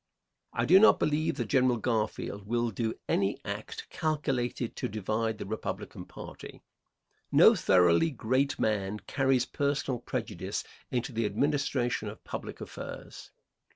I do not believe that General Garfield will do any act calculated to divide the Republican party. No thoroughly great man carries personal prejudice into the administration of public affairs.